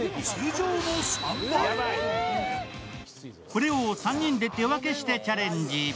これを３人で手分けしてチャレンジ。